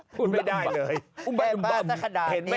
พูดไม่ได้เลย